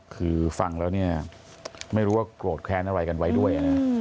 คือฟังแล้วเนี่ยไม่รู้ว่าโกรธแค้นอะไรกันไว้ด้วยนะ